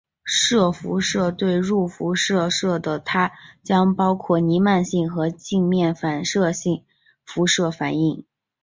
射辐射对入射辐射的它将包括弥漫性和镜面反射辐射反映。